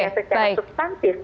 yang secara substantif